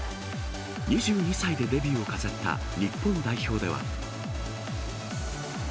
２２歳でデビューを飾った日本代表では。